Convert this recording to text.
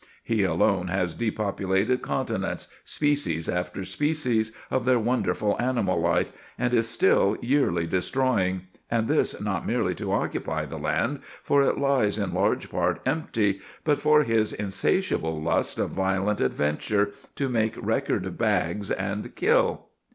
He alone has depopulated continents, species after species, of their wonderful animal life, and is still yearly destroying; and this not merely to occupy the land, for it lies in large part empty, but for his insatiable lust of violent adventure, to make record bags and kill."